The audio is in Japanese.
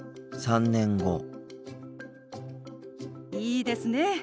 いいですね。